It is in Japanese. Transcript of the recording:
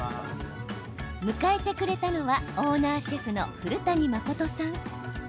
迎えてくれたのはオーナーシェフの古谷誠さん。